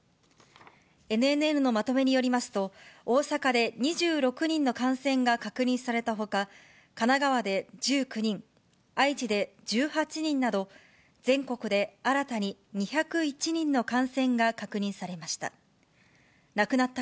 ＮＮＮのまとめによりますと、大阪で２６人の感染が確認されたほか、神奈川で１９人、愛知で１８人など、全国で新たに２０１人の感染が確認されました。